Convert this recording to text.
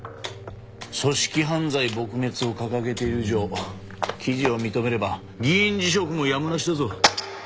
組織犯罪撲滅を掲げている以上記事を認めれば議員辞職もやむなしだぞ。